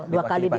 dua kali diundang